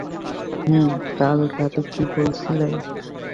উম, কাল রাতে কি বলেছিলাম?